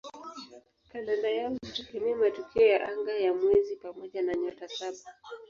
Kalenda yao hutegemea matukio ya anga ya mwezi pamoja na "Nyota Saba".